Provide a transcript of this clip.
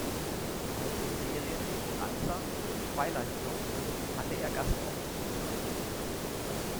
Auch in Serien wie "Bonanza" und "Twilight Zone" hatte er Gastauftritte.